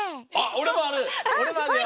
おれもあるよ！